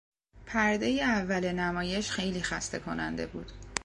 پردهی اول نمایش خیلی خسته کننده بود.